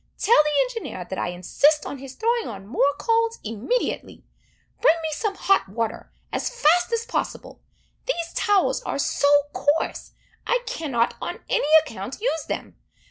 Tell the engineer, that I insist on his throwing on more coals immediately. Bring me some hot water, as fast as possible! These towels are so coarse, I cannot, on any account, use them.